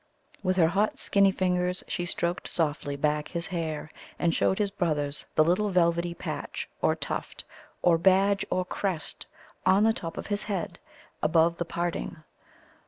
With her hot skinny fingers she stroked softly back his hair, and showed his brothers the little velvety patch, or tuft, or badge, or crest, on the top of his head, above the parting.